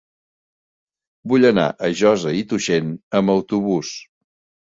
Vull anar a Josa i Tuixén amb autobús.